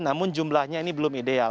namun jumlahnya ini belum ideal